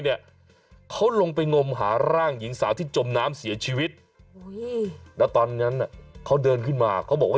เนี่ยเขาลงไปงมหาร่างหญิงสาวที่จมน้ำเสียชีวิตแล้วตอนนั้นเขาเดินขึ้นมาเขาบอกว่า